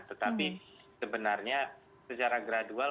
tetapi sebenarnya secara gradual